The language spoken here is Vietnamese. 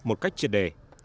một cách triệt đề